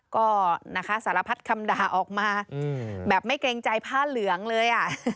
ก็นะคะสารพัดคำด่าออกมาแบบไม่เกรงใจผ้าเหลืองเลย